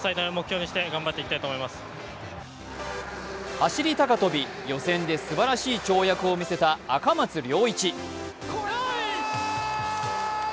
走高跳、予選ですばらしい跳躍を見せた赤松諒一。